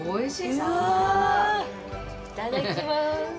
いただきます。